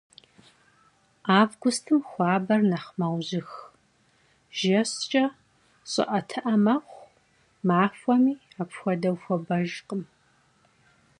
Avgustım xuaber nexh meujıx; jjeşç'e ş'ı'etı'e mexhu, maxuemi apxuedeu xuabejjkhım.